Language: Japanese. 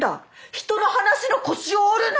人の話の腰を折るな！